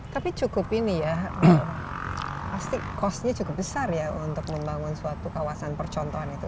tapi cukup ini ya pasti costnya cukup besar ya untuk membangun suatu kawasan percontohan itu